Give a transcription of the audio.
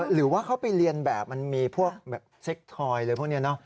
หรือว่าเขาไปเรียนแบบมันมีพวกแบบเซ็กทอยอะไรพวกนี้เนอะ